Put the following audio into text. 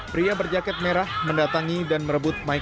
pria berjaket merah mendatangi dan merebut michael